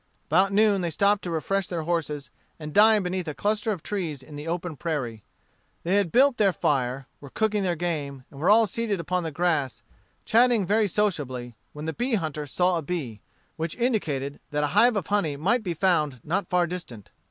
About noon they stopped to refresh their horses and dine beneath a cluster of trees in the open prairie. They had built their fire, were cooking their game, and were all seated upon the grass, chatting very sociably, when the bee hunter saw a bee, which indicated that a hive of honey might be found not far distant.